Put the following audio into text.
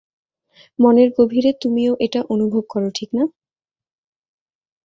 মনের গভীরে, তুমিও এটা অনুভব করো, ঠিক না?